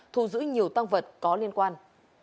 thu giữ nhiều tăng vật có liên quan